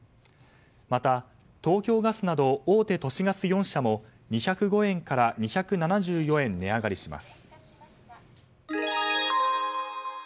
また、東京ガスなど大手都市ガス４社も２０５円から２７４円値上がりします。